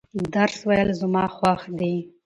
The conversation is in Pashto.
درس ویل زما خوښ دي.